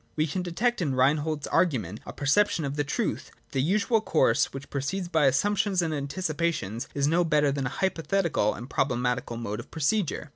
We can detect in Rein hold's argument a perception of the truth, that the usual course which proceeds by assumptions and antici pations is no better than a hypothetical and proble matical mode of procedure.